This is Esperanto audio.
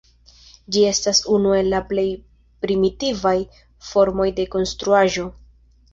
Ĝi estas unu el la plej primitivaj formoj de konstruaĵo.